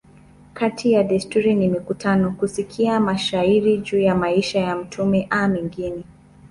Kati ya desturi ni mikutano, kusikia mashairi juu ya maisha ya mtume a mengine.